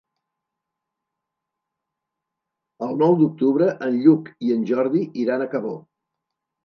El nou d'octubre en Lluc i en Jordi iran a Cabó.